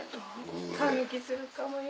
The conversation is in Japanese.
感激するかもよ。